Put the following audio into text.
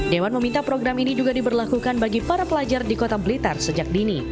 dewan meminta program ini juga diberlakukan bagi para pelajar di kota blitar sejak dini